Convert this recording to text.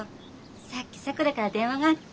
さっきさくらから電話があって。